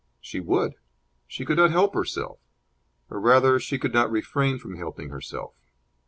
"She would! She could not help herself. Or, rather, she could not refrain from helping herself.